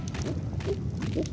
おっ？